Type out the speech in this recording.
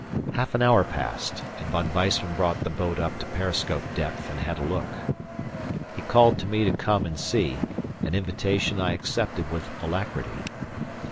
Half an hour passed and Von Weissman brought the boat up to periscope depth and had a look. He called to me to come and see, an invitation I accepted with alacrity.